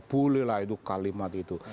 bolehlah itu kalimat itu